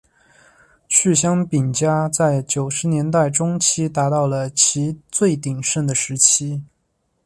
趣香饼家在九十年代中期达到了其最鼎盛的时期。